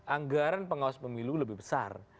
anggaran pengawas pemilu lebih besar